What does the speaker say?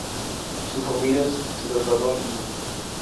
Su familia se trasladó a Lima.